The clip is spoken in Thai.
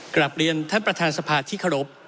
กลับเรียนท่านประธานสภาที่เคารพ